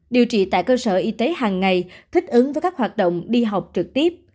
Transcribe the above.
điều trị tại cơ sở y tế hàng ngày thích ứng với các hoạt động đi học trực tiếp